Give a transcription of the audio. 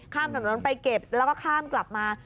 ข้ามถนนไปเก็บแล้วก็ข้ามกลับมา